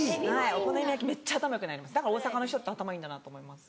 お好み焼きめっちゃ頭良くなりますだから大阪の人頭いいんだなと思います。